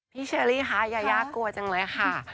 เชอรี่คะยายากลัวจังเลยค่ะ